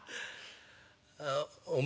「あお前